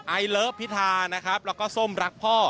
ไอเลิฟพิธานะครับแล้วก็ส้มรักพ่อ